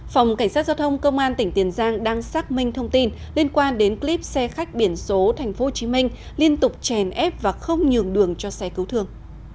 phòng cảnh sát giao thông công an tỉnh tiền giang đang xác minh thông tin liên quan đến clip xe khách biển số tp hcm liên tục chèn ép và không nhường đường cho xe cứu thương